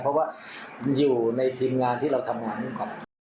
เพราะว่าอยู่ในทีมงานที่เราทำงานร่วมกัน